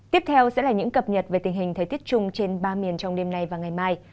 tiếp theo sẽ là những cập nhật về tình hình thời tiết chung trên ba miền trong đêm nay và ngày mai